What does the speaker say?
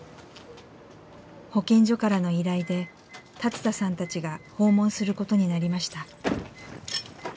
保健所からの依頼で龍田さんたちが訪問することになりました。